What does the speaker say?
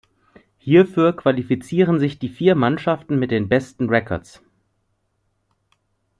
Hierfür qualifizieren sich die vier Mannschaften mit den besten Records.